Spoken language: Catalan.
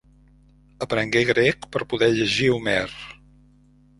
Aprengué grec per poder llegir Homer.